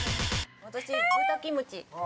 私豚キムチ。